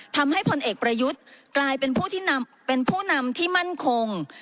ทำให้ผลเอกประยุทธ์กลายเป็นผู้นำที่มั่นคง